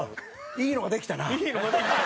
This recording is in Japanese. いいのができた。